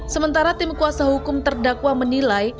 sementara tim kuasa hukum terdakwa menilai